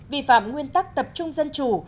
vi phạm nguyên tắc tập trung dân chủ